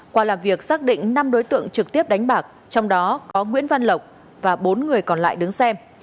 qua làm việc xác định năm đối tượng trực tiếp đánh bạc trong đó có nguyễn văn lộc và bốn người còn lại đứng xem